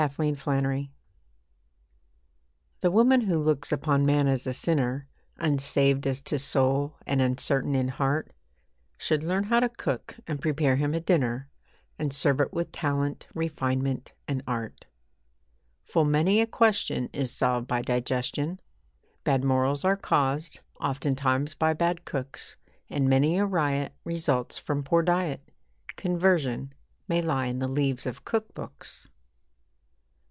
THE CUSINE The woman who looks upon man as a sinner Unsaved as to soul, and uncertain in heart, Should learn how to cook, and prepare him a dinner, And serve it with talent, refinement, and art. Full many a question is solved by digestion. Bad morals are caused, oftentimes by bad cooks, And many a riot results from poor diet Conversion may lie in the leaves of cook books.